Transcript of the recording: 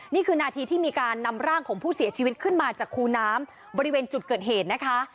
นี่คือนาทีที่มีการนำร่างของผู้เสียชีวิตขึ้นมาจากคูน้ำบริเวณจุดเกิดเหตุนะคะ